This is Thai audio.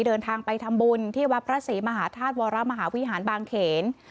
เดินทางไปทำบุญที่วัดพระศรีมหาธาตุวรมหาวิหารบางเขน